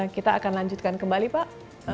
kita akan lanjutkan kembali pak